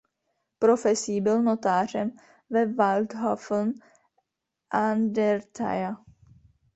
Profesí byl notářem ve Waidhofen an der Thaya.